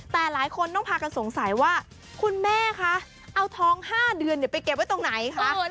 แต่หลายคนต้องพากันสงสัยว่าคุณแม่คะเอาทอง๕เดือนไปเก็บไว้ตรงไหนคะ